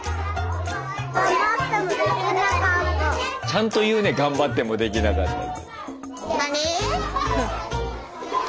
ちゃんと言うね「頑張ってもできなかった」。